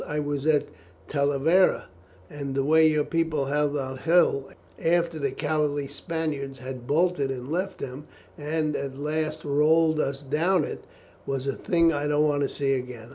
I was at Talavera, and the way your people held that hill after the cowardly Spaniards had bolted and left them, and at last rolled us down it, was a thing I don't want to see again.